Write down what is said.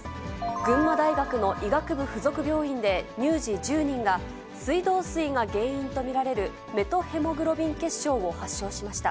群馬大学の医学部付属病院で、乳児１０人が、水道水が原因と見られるメトヘモグロビン血症を発症しました。